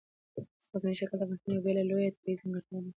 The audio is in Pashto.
ځمکنی شکل د افغانستان یوه بله لویه طبیعي ځانګړتیا ده.